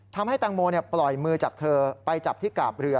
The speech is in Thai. ทำให้แตงโมปล่อยมือจากเธอไปจับที่กาบเรือ